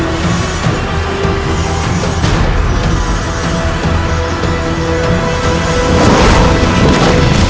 kau tidak bisa membedakan